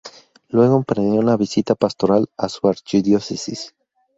Luego emprendió una visita pastoral a su archidiócesis.